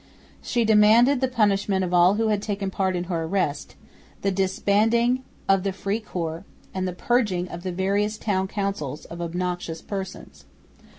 She demanded the punishment of all who had taken part in her arrest, the disbanding of the free corps, and the purging of the various Town Councils of obnoxious persons.